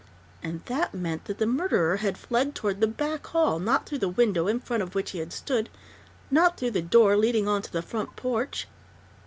_And that meant that the murderer had fled toward the back hall, not through the window in front of which he had stood, not through the door leading onto the front porch....